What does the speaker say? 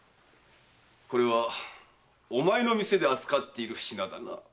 これはお前の店で扱っている品だな？